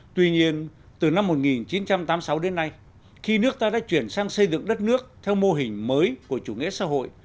tuy nhiên từ năm một nghìn chín trăm tám mươi sáu đến nay khi nước ta đã chuyển sang xây dựng đất nước theo mô hình mới của chủ nghĩa xã hội